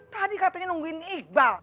tadi katanya nungguin iqbal